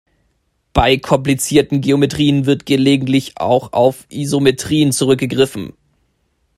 Bei komplizierten Geometrien wird gelegentlich auch auf Isometrien zurückgegriffen.